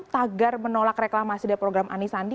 tagar menolak reklamasi dari program anisandi